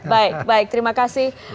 baik baik terima kasih